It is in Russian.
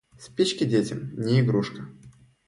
Спички детям не игрушка.